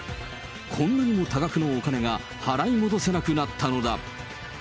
こんなにも多額のお金が払い戻せなくなったのだ。